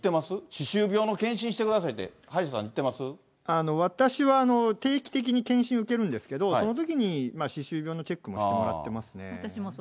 歯周病の健診してくださいって、私は定期的に健診を受けるんですけど、そのときに歯周病のチェックもしてもらってますね。